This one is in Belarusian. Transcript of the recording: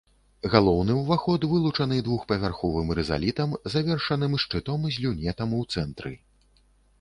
Галоўны ўваход вылучаны двухпавярховым рызалітам, завершаным шчытом з люнетам у цэнтры.